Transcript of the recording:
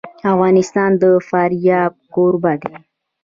افغانستان د فاریاب کوربه دی.